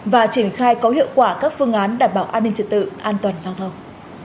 và triển khai có hiệu quả các phương án đảm bảo an ninh trật tự an toàn giao thông